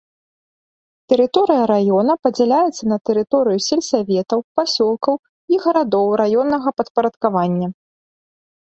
Тэрыторыя раёна падзяляецца на тэрыторыю сельсаветаў, пасёлкаў і гарадоў раённага падпарадкавання.